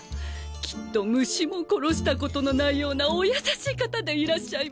きっと虫も殺したことのないようなお優しい方でいらっしゃいます。